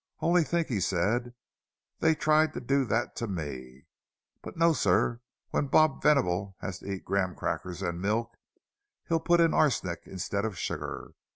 "Only think!" he said—"they tried to do that to me! But no, sir—when Bob Venable has to eat graham crackers and milk, he'll put in arsenic instead of sugar!